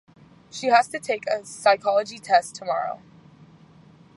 She has to take a psychology test tomorrow.